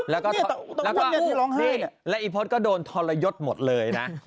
แล้วก็แล้วอีพฤษก็โดนทรยศหมดเลยนะ